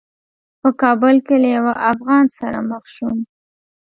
په کابل کې له یوه افغان سره مخ شوم.